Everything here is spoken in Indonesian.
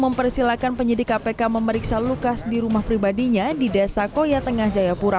mempersilahkan penyidik kpk memeriksa lukas di rumah pribadinya di desa koya tengah jayapura